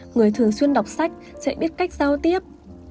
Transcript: người thường xuyên đọc sách sẽ biết cách giao tiếp